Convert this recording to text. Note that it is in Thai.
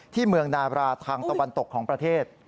ที่เมืองนาบราทางตะวันตกของประเทศ